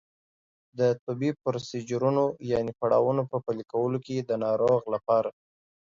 د طبي پروسیجرونو یانې پړاوونو په پلي کولو کې د ناروغ لپاره